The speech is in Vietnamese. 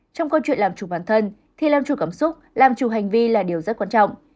trong câu chuyện làm chủ bản thân thì làm chủ cảm xúc làm chủ hành vi là điều rất quan trọng